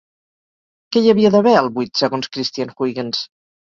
Què hi havia d'haver al buit segons Christian Huygens?